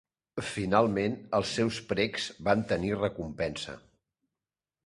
Finalment els seus precs van tenir recompensa.